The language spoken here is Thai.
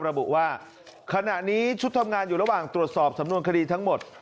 ระบุว่าขณะนี้ชุดทำงานอยู่ระหว่างตรวจสอบสำนวนคดีทั้งหมด